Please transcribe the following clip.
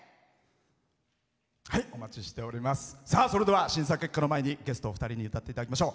それでは審査結果の前にゲストお二人に歌っていただきましょう。